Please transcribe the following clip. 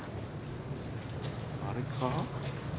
あれか？